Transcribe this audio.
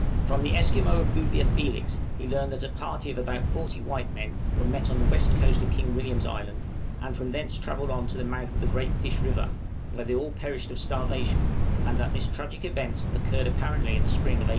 From the Esquimaux of Boothia Felix he learned that a party of about forty white men were met on the west coast of King William's Island, and from thence travelled on to the mouth of the Great Fish River, where they all perished of starvation, and that this tragic event occurred apparently in the spring of 1850.